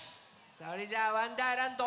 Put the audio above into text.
それじゃあ「わんだーらんど」